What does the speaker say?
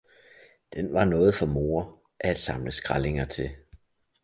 den var noget for moder at samle skrællinger til!